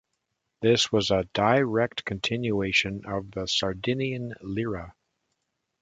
This was a direct continuation of the Sardinian lira.